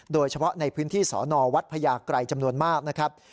โดยเฉพาะในพื้นที่สอนอวัดพญาไกรจำนวนมากนะครับ